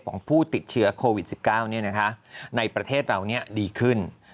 ของผู้ติดเชื้อโควิด๑๙ในประเทศเราดีขึ้น